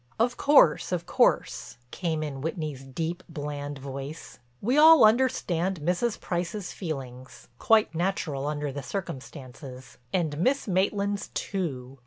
"Of course, of course," came in Whitney's deep, bland voice, "we all understand Mrs. Price's feelings—quite natural under the circumstances. And Miss Maitland's too."